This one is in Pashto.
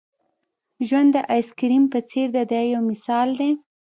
ژوند د آیس کریم په څېر دی دا یو مثال دی.